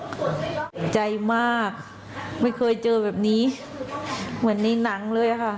ใจมากไม่เคยเจอแบบนี้เหมือนในหนังเลยค่ะ